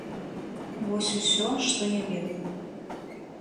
Вось усё, што я ведаю.